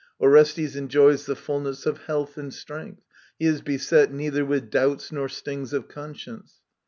Orestes enjoys the fulness of health and strength. He is beset neither with doubts nor stings of conscience.